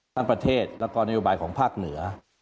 ประเทศแล้วก็นโยบายของภาคเหนือ